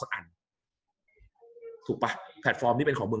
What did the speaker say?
กับการสตรีมเมอร์หรือการทำอะไรอย่างเงี้ย